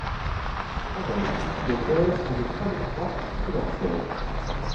Cependant, les propriétaires n'avaient pas le droit de tuer leurs serfs.